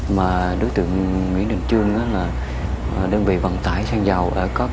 mà đối tượng nguyễn đình dương là đơn vị vận tải xe dầu